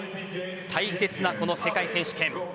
大切なこの世界選手権。